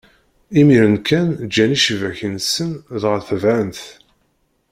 Imiren kan, ǧǧan icebbaken-nsen, dɣa tebɛen-t.